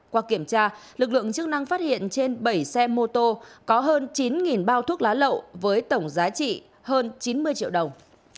qua kiểm tra lực lượng chức năng phát hiện trên bảy xe mô tô có hơn chín bao thuốc lá lậu với tổng giá trị hơn chín mươi triệu đồng